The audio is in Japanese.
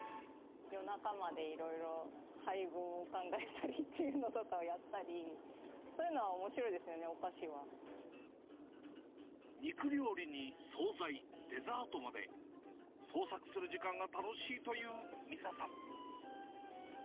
夜中までいろいろ配合を考えたりっていうのとかをやったり、そういうのはおもしろいですよね、肉料理に総菜、デザートまで、創作する時間が楽しいという美沙さん。